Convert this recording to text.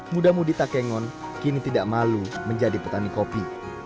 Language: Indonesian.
muda mudi takengon kini tidak malu menjadi petani kopi